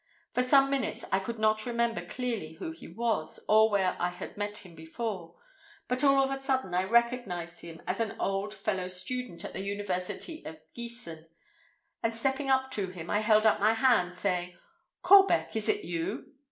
For some minutes, I could not remember clearly who he was, or where I had met him before, but all of a sudden I recognised him as an old fellow student at the University of Giessen; and stepping up to him, I held out my hand, saying, 'Korbec, is it you?